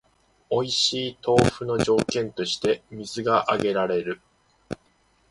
おいしい豆腐の条件として水が挙げられる